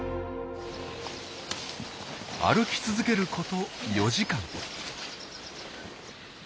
歩き続けること４時間。